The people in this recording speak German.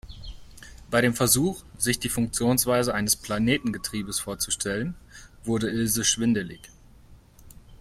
Bei dem Versuch, sich die Funktionsweise eines Planetengetriebes vorzustellen, wurde Ilse schwindelig.